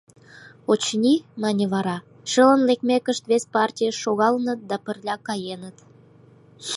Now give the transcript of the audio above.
— Очыни, — мане вара, — шылын лекмекышт, вес партийыш шогалыныт да пырля каеныт.